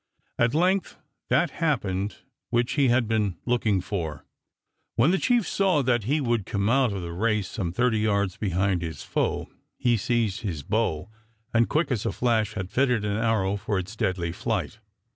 At length that happened which he had been looking for. When the chief saw that he would come out of the race some thirty yards behind his foe, he seized his bow and quick as a flash had fitted an arrow for its deadly flight.